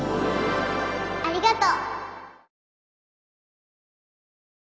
ありがとう。